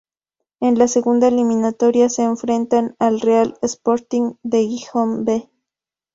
En la segunda eliminatoria se enfrenta al Real Sporting de Gijón "B".